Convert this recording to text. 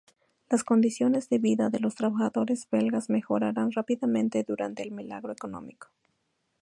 Las condiciones de vida de los trabajadores belgas mejoraron rápidamente durante el milagro económico.